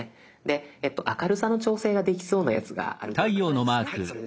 で明るさの調整ができそうなやつがあるではないですか。